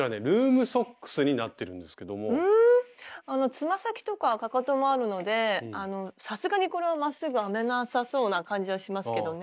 つま先とかかかともあるのでさすがにこれはまっすぐ編めなさそうな感じはしますけどね。